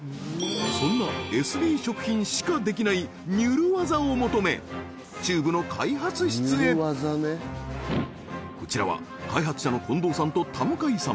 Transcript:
そんなエスビー食品しかできないにゅるワザを求めチューブの開発室へこちらは開発者の近藤さんと田向さん